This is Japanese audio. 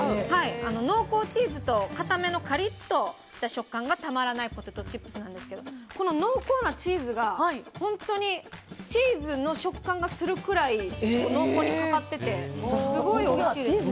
濃厚チーズと硬めのカリッとした食感がたまらないポテトチップスなんですけどこの濃厚なチーズが本当にチーズの食感がするくらい濃厚にかかっててすごいおいしいですね。